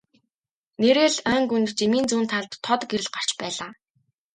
Нээрээ л ойн гүнд жимийн зүүн талд тод гэрэл гарч байлаа.